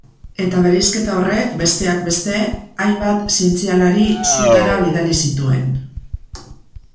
Eta bereizketa horrek, besteak beste, hainbat zientzialari sutara bidali zituen.